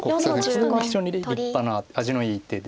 これは非常に立派な味のいい手で。